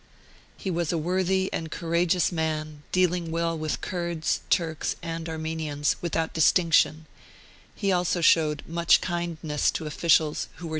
He was a worthy and courageous man, dealing well with Kurds, Turks, and Armenians, without distinction; he also showed much kindness to officials who were dis *I refrain from particulars.